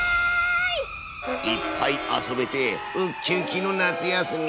いっぱい遊べてウッキウキの夏休み。